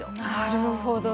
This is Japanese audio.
なるほど。